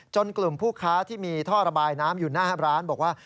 กลุ่มผู้ค้าที่มีท่อระบายน้ำอยู่หน้าร้านบอกว่า